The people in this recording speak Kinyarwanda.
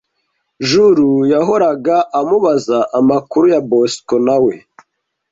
Juru yahoraga amubaza amakuru ya Bosico na we